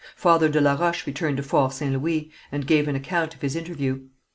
Father de la Roche returned to Fort St. Louis, and gave an account of his interview.